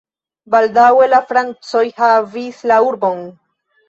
Baldaŭe la francoj havis la urbon.